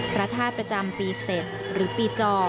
พระธาตุประจำปีเสร็จหรือปีจอ